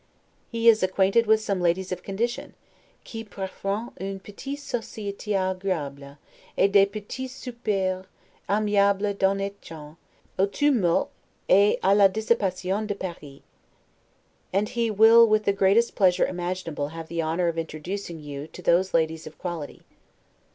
He is acquainted with some ladies of condition, 'qui prefrent une petite societe agreable, et des petits soupers aimables d'honnetes gens, au tumulte et a la dissipation de Paris'; and he will with the greatest pleasure imaginable have the honor of introducing you to those ladies of quality.